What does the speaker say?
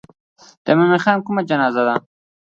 د مومن خان کومه جنازه ده.